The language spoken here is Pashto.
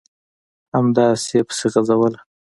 همداسې یې پسې غځوله ...